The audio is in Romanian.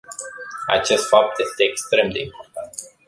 Acest fapt este extrem de important.